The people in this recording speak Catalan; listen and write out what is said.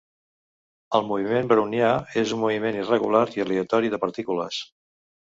El moviment brownià és un moviment irregular i aleatori de partícules.